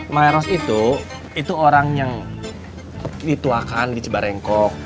miros itu itu orang yang dituakan dicebarengkok